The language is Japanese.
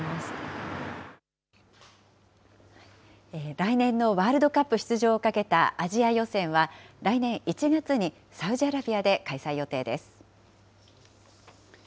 来年のワールドカップ出場をかけたアジア予選は、来年１月にサウジアラビアで開催予定です。